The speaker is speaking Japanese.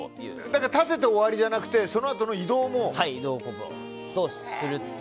建てて終わりじゃなくてそのあとの移動も。